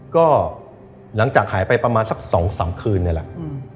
ก็หายไปประมาณสัก๒๓คืนเนี่ยแหละ